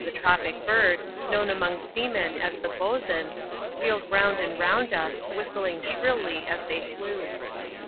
the tropic bird, known among seamen as the ^^ boatswain, wheeled round and round us, whistling shrilly as thej flew.